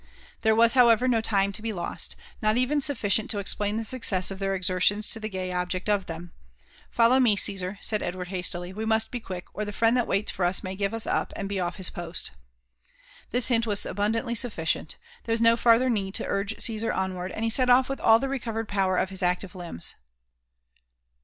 There was, however, no time to be lost — not even sufficient to ex plain the success of their exertions to the gay object of them. "Follow me, Caesar," said Edward hastily; "we must be quick, or the friend that waits for us may give us up and be off his post." This hint was abundantly sufficient; there was no farther need to urge Caesar onward, and he set off with all the recovered power of his active limbs.